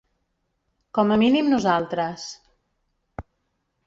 Com a mínim nosaltres.